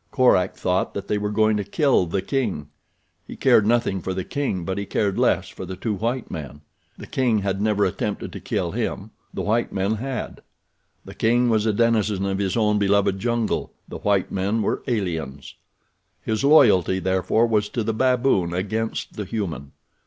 Korak thought that they were going to kill the king. He cared nothing for the king but he cared less for the two white men. The king had never attempted to kill him—the white men had. The king was a denizen of his own beloved jungle—the white men were aliens. His loyalty therefore was to the baboon against the human.